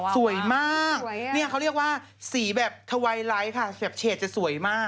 สวยมากเนี่ยเขาเรียกว่าสีแบบทวัยไลท์ค่ะแบบเฉดจะสวยมาก